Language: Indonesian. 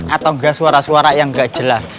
atau gak suara suara yang gak jelas